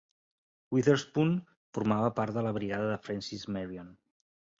Witherspoon formava part de la brigada de Francis Marion.